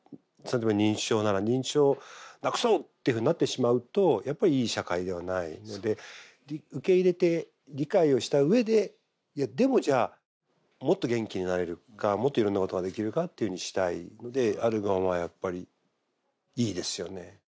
例えば認知症なら認知症をなくそうっていうふうになってしまうとやっぱりいい社会ではないので受け入れて理解をした上ででもじゃあもっと元気になれるかもっといろんなことができるかっていうふうにしたいのであるがままがやっぱりいいですよね。